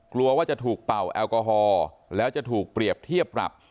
กลัวว่าจะถูกเป่าแอลกอฮอล์แล้วจะถูกเปรียบเทียบปรับ